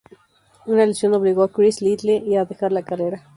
Una lesión obligó a Chris Lytle a dejar la cartelera.